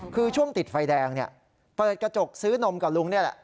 คือช่วงติดไฟแดงเนี่ยเปิดกระจกซื้อนมกับลุงนี่แหละ